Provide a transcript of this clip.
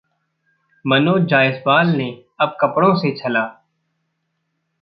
मनोज जायसवाल ने अब कपड़ों से छला